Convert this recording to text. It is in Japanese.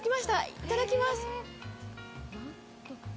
いただきます。